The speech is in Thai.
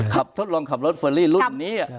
ทดลองขับรถเฟอรี่รุ่นนี้